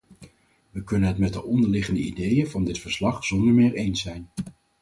We kunnen het met de onderliggende ideeën van dit verslag zonder meer eens zijn.